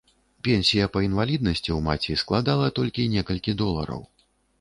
Пенсія па інваліднасці ў маці складала толькі некалькі долараў.